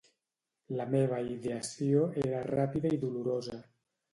La meva ideació era ràpida i dolorosa.